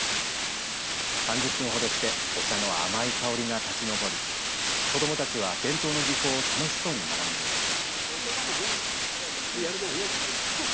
３０分ほどしてお茶の甘い香りが立ち上り子どもたちは伝統の技法を楽しそうに学んでいました。